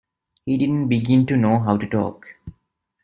He didn’t begin to know how to talk.